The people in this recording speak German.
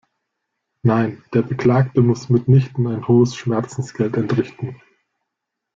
Nein, der Beklagte muss mitnichten ein hohes Schmerzensgeld entrichten.